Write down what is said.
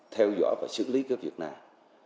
theo dõi và xử lý cái việc này